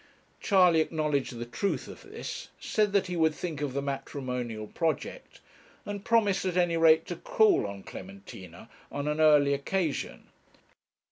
Charley acknowledged the truth of this, said that he would think of the matrimonial project, and promised, at any rate, to call on Clementina on an early occasion.